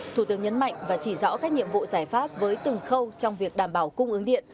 thủ tướng nhấn mạnh và chỉ rõ các nhiệm vụ giải pháp với từng khâu trong việc đảm bảo cung ứng điện